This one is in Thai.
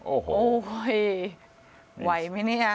โอ้โหเห่ยไหวมั้ยเนี่ย